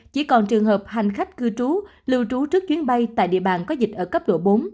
chỉ còn trường hợp hành khách cư trú lưu trú trước chuyến bay tại địa bàn có dịch ở cấp độ bốn